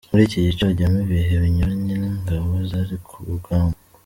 Muri iki gice hajyamo ibihe binyuranye ingabo zari ku rugamba.